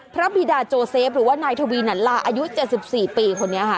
บิดาโจเซฟหรือว่านายทวีหนันลาอายุ๗๔ปีคนนี้ค่ะ